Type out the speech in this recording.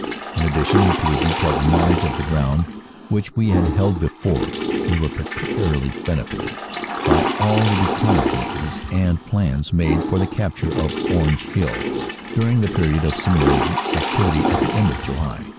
u ln addition to a detailed knowledge of the ground, which we had held before, we were particularly benefited by all the reconnaissances and plans made for the capture of Orange Hill during the period of simulated activity at the end of July.